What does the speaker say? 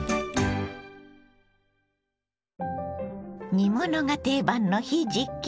煮物が定番のひじき。